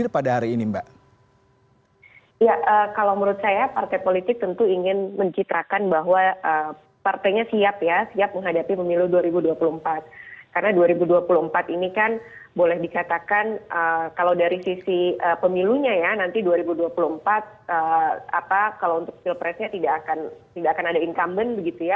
kalau untuk skill price nya tidak akan ada incumbent gitu ya